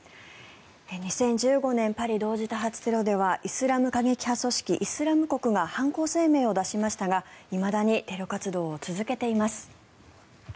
２０１５年パリ同時多発テロではイスラム過激派組織イスラム国が犯行声明を出しましたがいまだにテロ活動を続けています。